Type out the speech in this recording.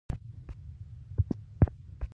کوږ فکر د پرمختګ مخ نیسي